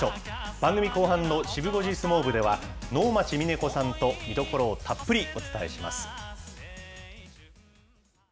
番組後半のシブ５時相撲部では、能町みね子さんと見どころをたっぷりお伝えします。